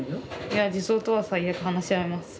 いや児相とは最悪話し合います